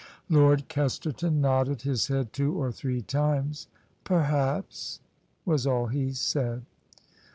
Lord Kesterton nodded his head two or three times. " Perhaps," was all he said.